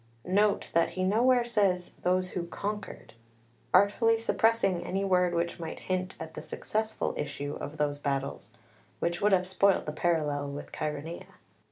Note that he nowhere says "those who conquered," artfully suppressing any word which might hint at the successful issue of those battles, which would have spoilt the parallel with Chaeronea.